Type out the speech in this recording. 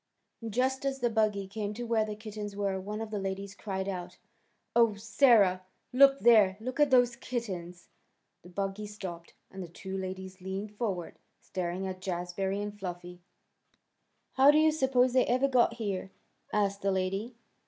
Just as the buggy came to where the kittens were one of the ladies cried out, "Oh, Sarah! Look there! Look at those kittens." The buggy stopped, and the two ladies leaned forward, staring at Jazbury and Fluffy. "How do you suppose they ever got here?" asked the lady.